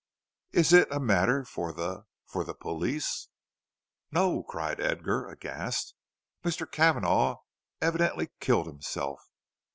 Is it a matter for the for the police?" "No," cried Edgar, aghast. "Mr. Cavanagh evidently killed himself.